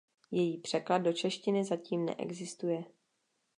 Její překlad do češtiny zatím neexistuje.